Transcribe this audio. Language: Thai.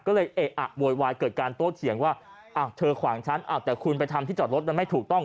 ก็เลยเกิดการโทษเสียงว่าเธอขวางฉันแต่คุณไปทำที่จอดรถมันไม่ถูกต้อง